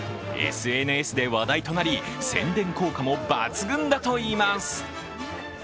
ＳＮＳで話題となり宣伝効果も抜群だといいます。